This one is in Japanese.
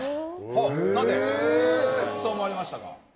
何でそう思われましたか？